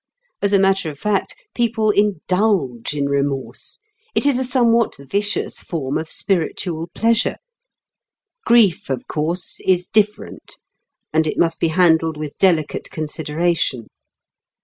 As a matter of fact, people "indulge" in remorse; it is a somewhat vicious form of spiritual pleasure. Grief, of course, is different, and it must be handled with delicate consideration.